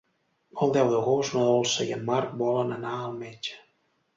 El deu d'agost na Dolça i en Marc volen anar al metge.